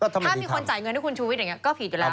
ถ้ามีคนจ่ายเงินให้คุณชูวิทย์อย่างนี้ก็ผิดอยู่แล้ว